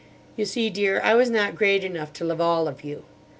You see, Dear, I was not great enough to love all of you.